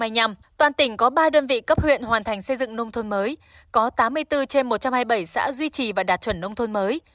toàn tỉnh có ba đơn vị cấp huyện hoàn thành xây dựng nông thôn mới có tám mươi bốn trên một trăm hai mươi bảy xã duy trì và đạt chuẩn nông thôn mới